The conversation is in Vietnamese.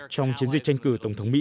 trong chiến dịch tranh cử tổng thống mỹ